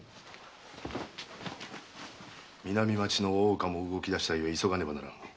南町の大岡も動き出したゆえ急がねばならぬ。